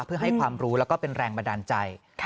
เพื่อให้ความรู้แล้วก็เป็นแรงบันดาลใจ